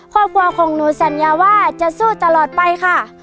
ครอบครัวของหนูสัญญาว่าจะสู้ตลอดไปค่ะ